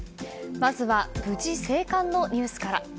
まずは無事生還のニュースから。